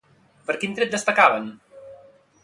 Per quin tret destacaven?